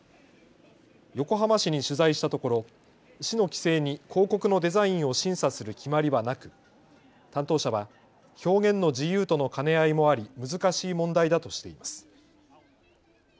横浜市に取材したところ、市の規制に広告のデザインを審査する決まりはなく、担当者は表現の自由との兼ね合いもあり難しい問題だとしています。